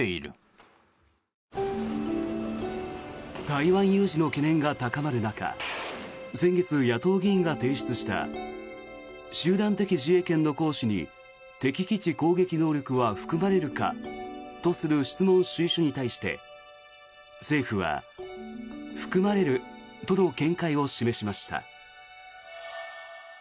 台湾有事の懸念が高まる中先月、野党議員が提出した集団的自衛権の行使に敵基地攻撃能力は含まれるかとする質問主意書に対して政府は含まれるとの見解を示しました。